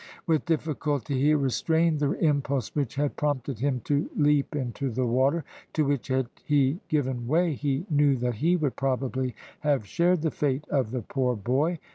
With difficulty he restrained the impulse which had prompted him to leap into the water, to which had he given way, he knew that he would probably have shared the fate of the poor boy.